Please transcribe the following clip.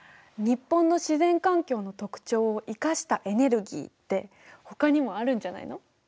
日本の自然環境の特徴を生かしたエネルギーってほかにもあるんじゃないの？